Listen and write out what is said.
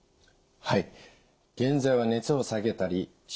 はい。